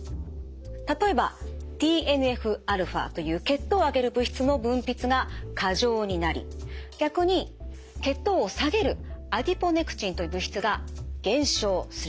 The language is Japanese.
例えばＴＮＦ−αという血糖を上げる物質の分泌が過剰になり逆に血糖を下げるアディポネクチンという物質が減少する。